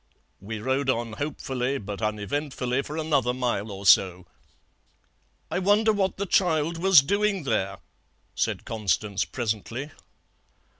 We rode on hopefully but uneventfully for another mile or so. "'I wonder what that child was doing there,' said Constance presently.